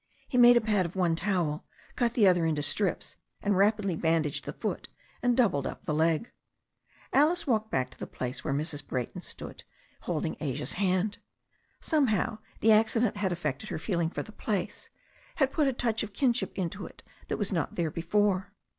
He made a pad of one towel, cut the other into strips, and rapidly bandaged the foot and doubled up the leg. Alice walked back to the place where Mrs. Brayton stood holding Asia's hand. Somehow the accident had affected her feeling for the place, had put a touch of kinship into it that was not there before.